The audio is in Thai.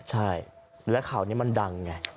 ใช่แล้วข่าวนี้มันดังไง